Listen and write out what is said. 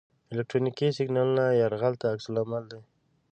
الکترونیکي سیګنالونو یرغل ته عکس العمل دی.